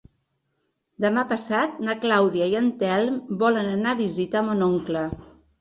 Demà passat na Clàudia i en Telm volen anar a visitar mon oncle.